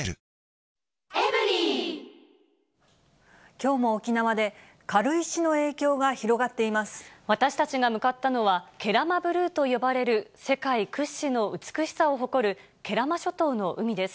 きょうも沖縄で、私たちが向かったのは、慶良間ブルーと呼ばれる、世界屈指の美しさを誇る慶良間諸島の海です。